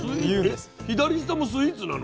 えっ左下もスイーツなの？